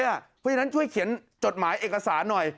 เพราะฉะนั้นช่วยเขียนจดหมายเอกสารหน่อย